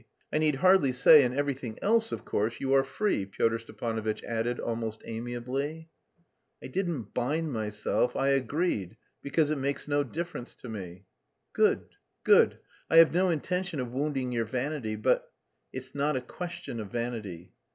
I need hardly say, in everything else, of course, you are free," Pyotr Stepanovitch added almost amiably. "I didn't bind myself, I agreed, because it makes no difference to me." "Good, good. I have no intention of wounding your vanity, but..." "It's not a question of vanity."